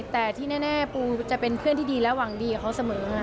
แต่ที่แน่ปูจะเป็นเพื่อนที่ดีและหวังดีกับเขาเสมอ